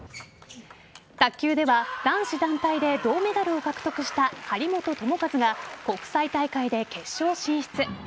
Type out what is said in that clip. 卓球では男子団体で銅メダルを獲得した張本智和が国際大会で決勝進出。